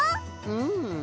うん。